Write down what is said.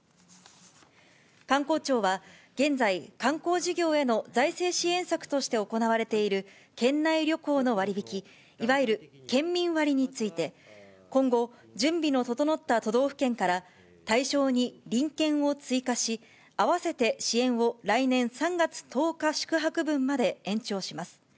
観光庁は、現在、観光事業への財政支援策として行われている県内旅行の割引、いわゆる県民割について、今後、準備の整った都道府県から対象に隣県を追加し、併せて支援を来年３月１０日宿泊分まで延長します。